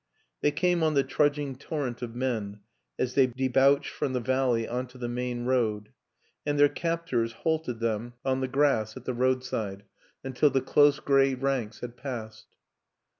They came on the trudging torrent of men as they debouched from the valley on to the main road; and their captors halted them on 95 96 WILLIAM AN ENGLISHMAN the grass at the roadside until the close gray ranks had passed.